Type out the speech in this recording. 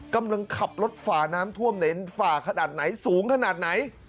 กำลังขับรถฝ่าน้ำท่วมเน้นฝ่าขนาดไหนสูงขนาดไหน